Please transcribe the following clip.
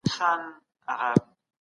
اسلام ستاسو ژوند دی.